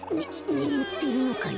ねむってるのかな。